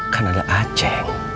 kan ada aceh